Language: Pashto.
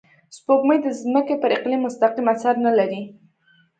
سپوږمۍ د ځمکې پر اقلیم مستقیم اثر نه لري